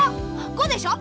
「ご」でしょ。